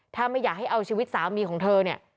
ถ้าไม่อยากให้เอาชีวิตสามีของเธอเนี่ย